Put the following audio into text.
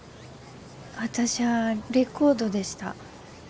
私ゃあレコードでした。